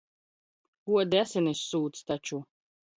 Odi asinis sūc taču.